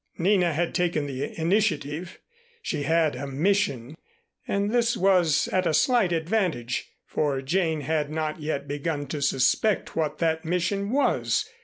Nina had taken the initiative. She had a mission and in this was at a slight advantage, for Jane had not yet begun to suspect what that mission was.